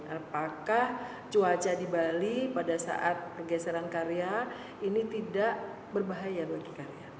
apakah cuaca di bali pada saat pergeseran karya ini tidak berbahaya bagi karya